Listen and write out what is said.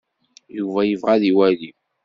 Yuba yebɣa ad iwali.